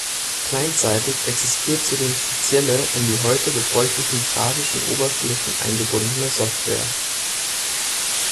Clientseitig existiert zudem spezielle, in die heute gebräuchlichen grafischen Oberflächen eingebundene Software.